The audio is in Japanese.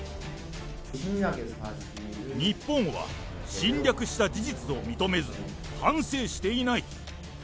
日本は侵略した事実を認めず、反省していない。